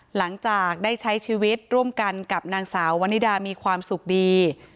หลังจากได้ใช้ชีวิตร่วมกันกับนางสาววนิดามีความสุขดี